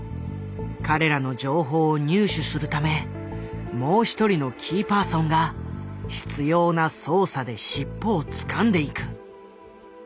彼らの情報を入手するためもう一人のキーパーソンが執ような捜査で尻尾をつかんでいく。